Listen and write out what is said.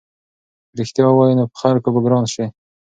که رښتیا ووایې نو په خلکو کې به ګران شې.